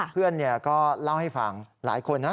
เพื่อนก็เล่าให้ฟังหลายคนนะ